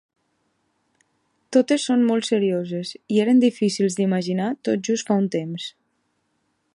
Totes són molt serioses, i eren difícils d’imaginar tot just fa un temps.